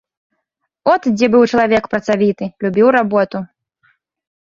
От дзе быў чалавек працавіты, любіў работу!